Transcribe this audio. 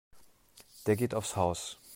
Der geht aufs Haus.